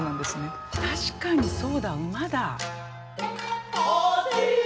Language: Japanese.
確かにそうだ馬だ。